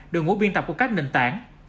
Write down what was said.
đội ngũ biên tập của các nền tảng